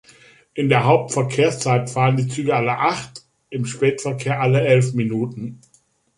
In der Hauptverkehrszeit fahren die Züge alle acht, im Spätverkehr alle elf Minuten.